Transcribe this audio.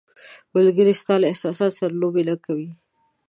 ملګری ستا له احساساتو سره لوبې نه کوي.